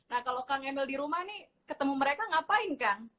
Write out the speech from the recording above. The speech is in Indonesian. nah kalau kang emil dirumah nih ketemu mereka ngapain